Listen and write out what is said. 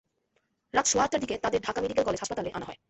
রাত সোয়া আটটার দিকে তাঁদের ঢাকা মেডিকেল কলেজ হাসপাতালে আনা হয়।